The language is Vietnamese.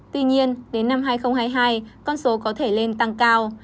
tuy nhiên đến năm hai nghìn hai mươi hai con số có thể lên tăng cao